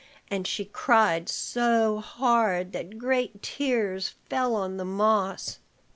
And she cried so hard that great tears fell on the moss.